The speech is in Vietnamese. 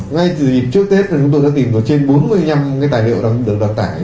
ngay từ dịp trước tết là chúng tôi đã tìm có trên bốn mươi năm cái tài liệu được đăng tải